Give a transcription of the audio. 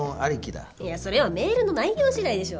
いやそれはメールの内容次第でしょ。